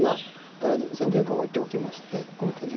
とりあえず先手玉は置いておきましてこの手自体